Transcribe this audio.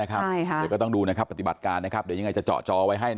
จะต้องดูปฏิบัติการยังไงจะเจาะจอไว้ให้